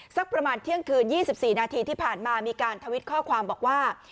สักประมาณเที่ยงคืน๒๔นาทีที่ผ่านมามีการทวิตข้อความบอกว่า